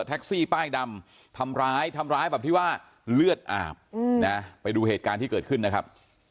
ป้ายดำทำร้ายทำร้ายแบบที่ว่าเลือดอาบนะไปดูเหตุการณ์ที่เกิดขึ้นนะครับ